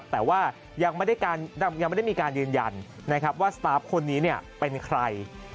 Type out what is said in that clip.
แต่ว่ายังไม่ได้มีการยืนยันนะครับว่าสตาร์ฟคนนี้เป็นใคร